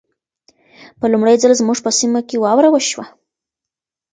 په لمړي ځل زموږ په سيمه کې واوره وشوه.